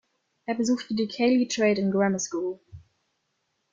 Er besuchte die Keighley Trade and Grammar School.